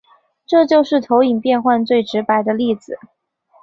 这就是投影变换最直白的例子。